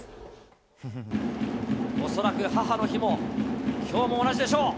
恐らく母の日も、きょうも同じでしょう。